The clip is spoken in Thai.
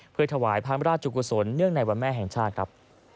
เพื่อถวายพระราชกุศลเนื่องในวันแม่แห่งชาติครับ